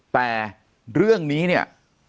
แต่เรื่องนี้เนี่ย